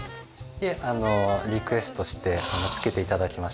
いえリクエストしてつけて頂きました。